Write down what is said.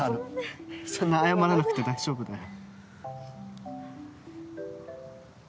そんな謝らなくて大丈夫だよ